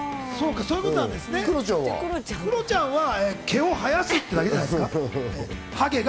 クロちゃんは毛を生やすっていうことだけじゃないですか？